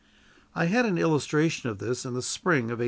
I had an illustration of this in the spring of 1864.